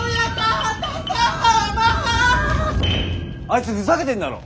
あいつふざけてんだろ！